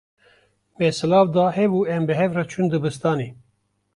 Me silav da hev û em bi hev re çûn dibistanê.